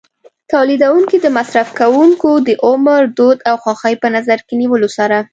تولیدوونکي د مصرف کوونکو د عمر، دود او خوښۍ په نظر کې نیولو سره.